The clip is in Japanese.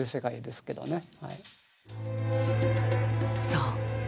そう。